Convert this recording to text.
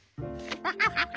ハハハハ。